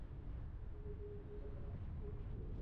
দ্বিতীয় জন বলিল, না, হাতী হইতেছে বিরাট দেওয়ালের মত।